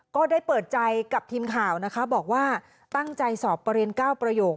ก็ได้เปิดใจกับทีมข่าวนะคะบอกว่าตั้งใจสอบประเรียน๙ประโยค